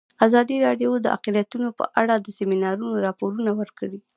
ازادي راډیو د اقلیتونه په اړه د سیمینارونو راپورونه ورکړي.